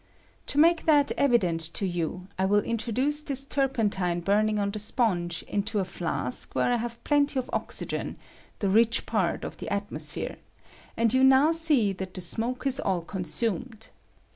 To make that evident to you, I will in troduce this turpentine burning on the sponge into a flask where I have plenty of oxygen, the rich part of the atmosphere, and you now see that the smoke is all consumed.